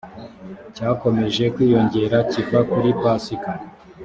cyakomeje kwiyongera kiva kuri pasika